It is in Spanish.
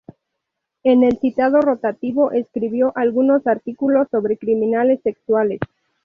En el citado rotativo escribió algunos artículos sobre criminales sexuales.